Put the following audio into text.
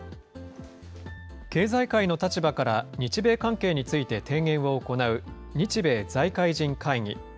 経済界の立場から日米関係について提言を行う日米財界人会議。